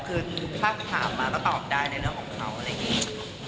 คือถ้าถามมาก็ตอบได้ในเรื่องของเขาอะไรอย่างนี้